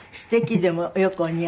でもよくお似合い。